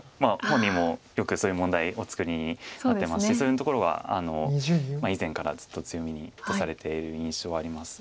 本人もよくそういう問題をお作りになってますしそういうところは以前からずっと強みとされている印象はあります。